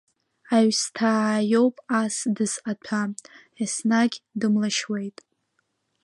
Аҩсҭаа иоуп ас дызҟаҭәа, еснагь дымлашьуеит.